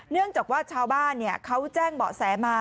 เนื่องจากว่าชาวบ้านเขาแจ้งเบาะแสมา